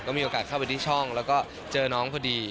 มีโอกาสเข้าไปที่ช่องแล้วก็เจอน้องพอดี